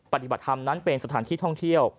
ปฏิบัติธรรมนั้นเป็นสถานที่ท่องเที่ยว